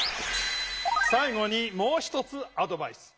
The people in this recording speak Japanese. さい後にもう１つアドバイス。